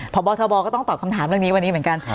พบทบก็ต้องตอบคำถามเรื่องนี้วันนี้เหมือนกัน